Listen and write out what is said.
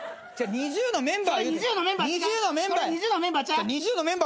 ＮｉｚｉＵのメンバー。